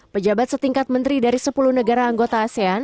pejabat setingkat menteri dari sepuluh negara anggota asean